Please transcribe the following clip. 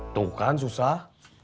tuh kan susah